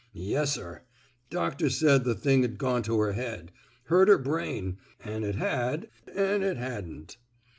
Yes'r. ... Doctor said the thing 'd gone to her head — hurt her brain — an' it had, an' it hadn't.